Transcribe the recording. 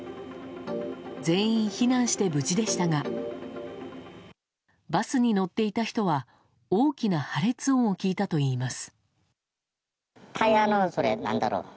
全員、避難して無事でしたがバスに乗っていた人は大きな破裂音を聞いたといいます。